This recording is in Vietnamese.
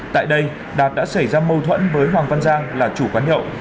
tại đây đạt đã xảy ra mâu thuẫn với hoàng văn giang là chủ quán nhậu